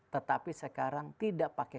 tetapi sekarang tidak pakai